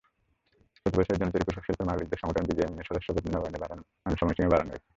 চলতি বছরের জন্য তৈরি পোশাকশিল্পের মালিকদের সংগঠন বিজিএমইএর সদস্যপদ নবায়নের সময়সীমা বাড়ানো হয়েছে।